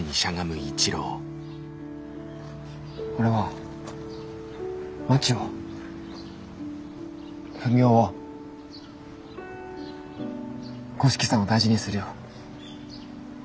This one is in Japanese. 俺はまちをふみおを五色さんを大事にするよ。